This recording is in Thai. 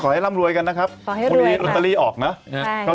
กลัวตอนนี้เออัลตรายีออกเนอะ